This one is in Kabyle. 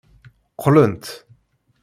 Qqlent.